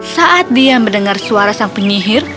saat dia mendengar suara sang penyihir